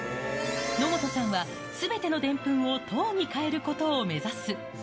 野元さんは、すべてのでんぷんを糖に変えることを目指す。